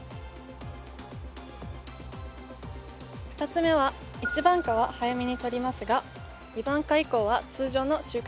２つ目は１番果は早めに取りますが２番果以降は通常の収穫サイズで収穫します。